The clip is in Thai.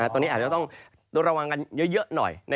ตอนนี้อาจจะต้องระวังกันเยอะหน่อย